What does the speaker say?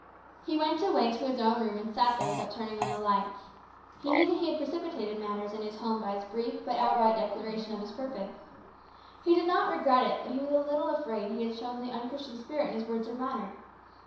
He went away to his own room and sat there without turning on the lights. He knew that he had precipitated matters in the home by his brief but outright declaration of his purpose. He did not regret it, but he was a little afraid he had shown the unchristian spirit in his words or manner.